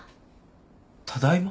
ただいま？